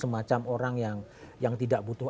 semacam orang yang tidak butuh